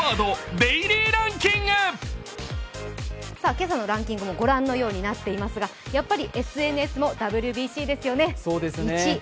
今朝のランキングはご覧のようになっていますが、やっぱりＳＮＳもＷＢＣですよね、１位。